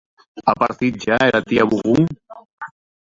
A partit ja era tia Bougon?